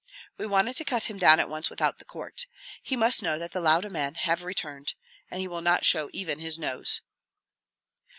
We wanted to cut him down at once without the court. He must know that the Lauda men have returned, and he will not show even his nose."